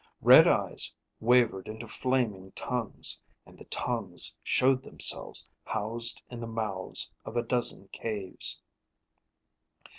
Red eyes wavered into flaming tongues, and the tongues showed themselves housed in the mouths of a dozen caves.